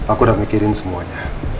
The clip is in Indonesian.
aku udah mikirin semuanya